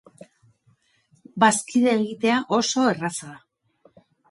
Bazkide egitea oso erraza da.